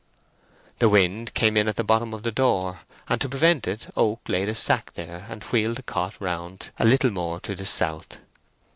The wind came in at the bottom of the door, and to prevent it Oak laid a sack there and wheeled the cot round a little more to the south.